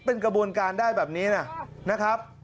เป็นกระบวนการได้แบบนี้นะครับ